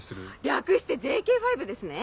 略してＪＫ５ですね！